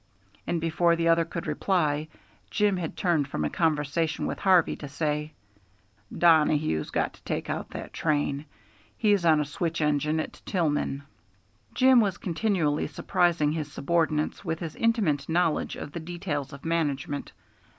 And before the other could reply, Jim had turned from a conversation with Harvey to say: "Donohue's got to take out that train. He's on a switch engine at Tillman." Jim was continually surprising his subordinates with his intimate knowledge of the details of management.